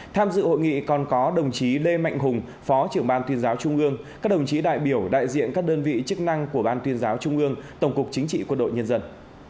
tham dự hội nghị còn có đồng chí lê mạnh hùng phó trưởng ban tuyên giáo trung ương các đồng chí đại biểu đại diện các đơn vị chức năng của ban tuyên giáo trung ương tổng cục chính trị quân đội nhân dân